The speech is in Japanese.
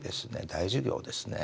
大事業ですね。